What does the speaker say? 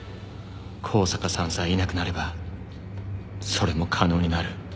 香坂さんさえいなくなればそれも可能になる。